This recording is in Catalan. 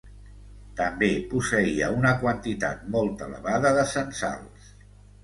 També posseïa una quantitat molt elevada de censals.